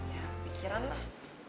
ya pikiran lah